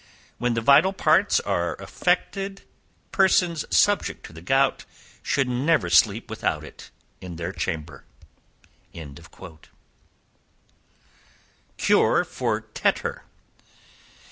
When the vital parts are affected, persons subject to the gout should never sleep without it in their chamber." Cure for Tetter.